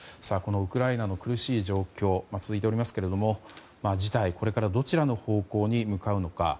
このウクライナの苦しい状況続いていおりますけれども事態はこれからどちらの方向に向かうのか